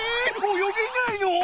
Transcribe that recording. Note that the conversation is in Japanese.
泳げないの！？